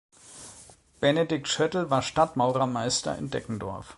Benedikt Schöttl war Stadtmaurermeister in Deggendorf.